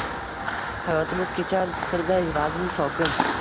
Hayotimiz kechar Sirday vazmin, sokin